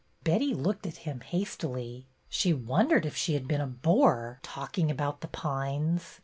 Betty looked at him hastily. She wondered if she had been a bore, talking about The Pines.